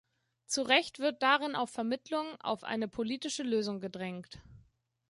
Zu Recht wird darin auf Vermittlung, auf eine politische Lösung gedrängt.